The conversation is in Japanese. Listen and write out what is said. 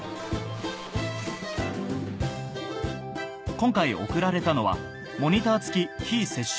今回贈られたのはモニター付き非接触